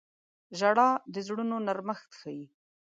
• ژړا د زړونو نرمښت ښيي.